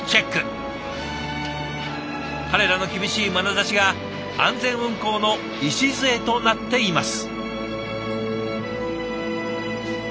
彼らの厳しいまなざしが安全運行の礎となっています。